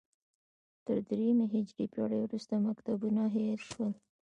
تر درېیمې هجري پېړۍ وروسته مکتبونه هېر شول